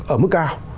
ở mức cao